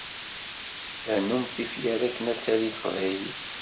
Rnumt tifyar akken ad tali teqbaylit.